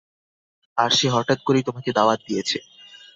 আর সে হঠাৎ করেই তোমাকে দাওয়াত দিয়েছে!